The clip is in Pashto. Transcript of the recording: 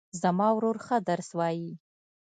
زما ورور ښه درس وایي